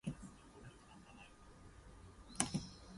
They have left their own ship with nobody on it.